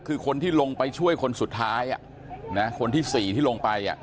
คือคนที่ลงไปช่วยคนสุดท้ายคนที่๔ที่ลงไป